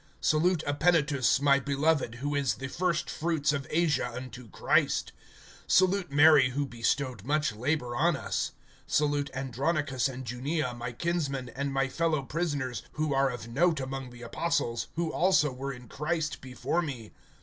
Salute Epenetus, my beloved, who is the first fruits of Asia unto Christ. (6)Salute Mary, who bestowed much labor on us[16:6]. (7)Salute Andronicus and Junia, my kinsmen, and my fellow prisoners, who are of note among the apostles, who also were in Christ before me.